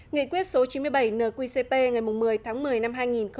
nghị quyết số chín mươi bảy nqcp ngày một mươi tháng một mươi năm hai nghìn một mươi chín